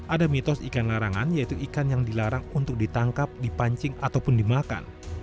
ada mitos ikan larangan yaitu ikan yang dilarang untuk ditangkap dipancing ataupun dimakan